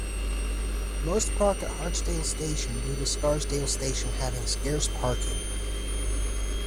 Most park at Hartsdale station, due to Scarsdale station having scarce parking.